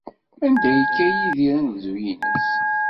Anda ay yekka Yidir anebdu-nnes?